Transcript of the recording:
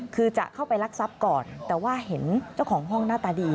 คือจะเข้าไปรักทรัพย์ก่อนแต่ว่าเห็นเจ้าของห้องหน้าตาดี